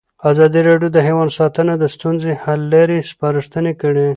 ازادي راډیو د حیوان ساتنه د ستونزو حل لارې سپارښتنې کړي.